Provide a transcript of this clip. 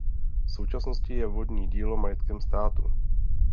V současnosti je vodní dílo majetkem státu.